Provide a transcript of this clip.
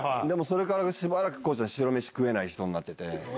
でも、それからしばらく、ＫＯＯちゃん、白飯食えない人になってて。